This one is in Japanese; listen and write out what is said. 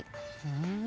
うん。